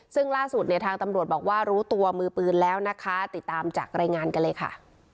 ซึ่งล่าสุดเนี่ยทางตำรวจบอกว่ารู้ตัวมือปืนแล้วนะคะติดตามจากรายงานกันเลยค่ะ